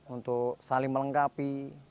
untuk saling melengkapi